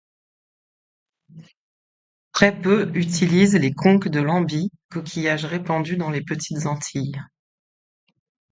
Très peu utilisent les conques de lambis, coquillages répandus dans les Petites Antilles.